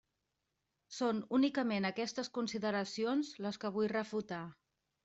Són únicament aquestes consideracions les que vull refutar.